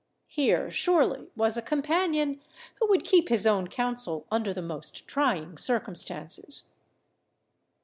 Here, surely, was a companion who would keep his own counsel under the most trying circumstances.